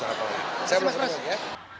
saya mau berbicara lagi ya